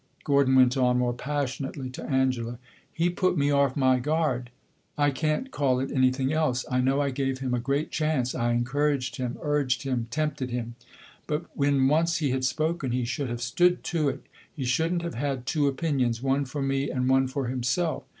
Gordon went on, more passionately, to Angela. "He put me off my guard I can't call it anything else. I know I gave him a great chance I encouraged him, urged him, tempted him. But when once he had spoken, he should have stood to it. He should n't have had two opinions one for me, and one for himself!